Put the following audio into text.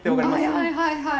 はいはいはい。